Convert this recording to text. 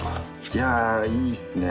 いやあ、いいっすね。